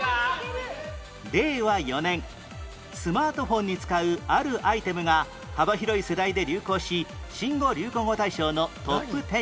令和４年スマートフォンに使うあるアイテムが幅広い世代で流行し新語・流行語大賞のトップテンに